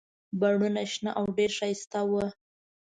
بڼونه شنه او ډېر ښایسته وو.